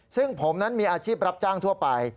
ซึ่งผมนั้นมีอาชีพรับจ้างทั่วไป